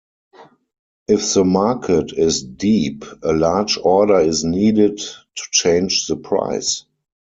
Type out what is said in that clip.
If the market is "deep", a large order is needed to change the price.